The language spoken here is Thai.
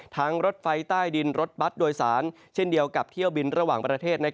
รถไฟใต้ดินรถบัตรโดยสารเช่นเดียวกับเที่ยวบินระหว่างประเทศ